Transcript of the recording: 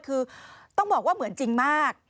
คือต้องบอกว่าเหมือนจริงมาก